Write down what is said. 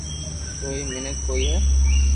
تو سھي مينک ڪوئي ھي